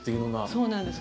そうなんです。